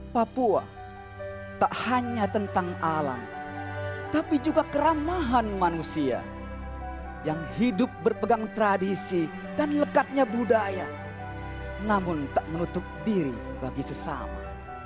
papua tak hanya tentang alam tapi juga keramahan manusia yang hidup berpegang tradisi dan lekatnya budaya namun tak menutup diri bagi sesama